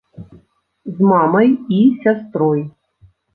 З мамай і сястрой.